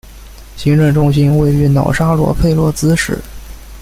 行政中心位于瑙沙罗费洛兹市。